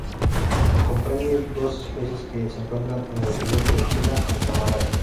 Comprende dos especies que se encuentran en el sudeste de China hasta Malasia.